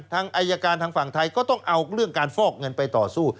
ทางอายการทางฝั่งไทยก็ต้องเอาเรื่องการฟอกเงินไปต่อสู้